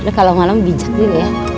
udah kalau malem bijak dulu ya